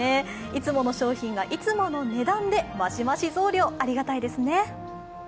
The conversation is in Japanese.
いつもの商品がいつもの値段で増し増し増量、ありがたいですね。